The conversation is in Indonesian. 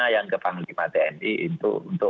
yang ke panglima tni untuk